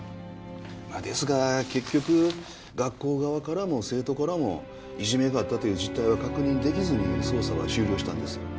まあですが結局学校側からも生徒からもいじめがあったという実態は確認できずに捜査は終了したんです。